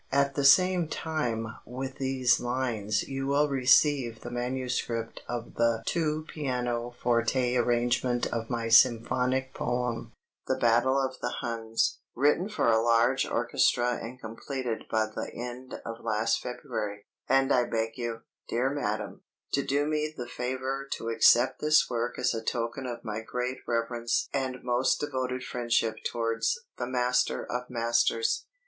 At the same time with these lines you will receive the manuscript of the two pianoforte arrangement of my symphonic poem, 'The Battle of the Huns' (written for a large orchestra and completed by the end of last February), and I beg you, dear madam, to do me the favor to accept this work as a token of my great reverence and most devoted friendship towards the master of masters.